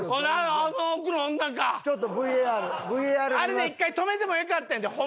あれで１回止めてもよかったやんやでホンマは。